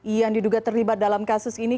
yang diduga terlibat dalam kasus ini